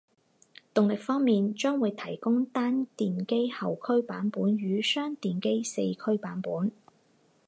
动力方面，将会提供单电机后驱版本与双电机四驱版本